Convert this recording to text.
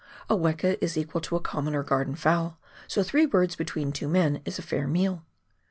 A weka is equal to a " common, or garden, fowl," so three birds between two men is a fair meal